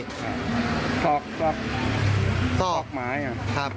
ใช่ค่ะ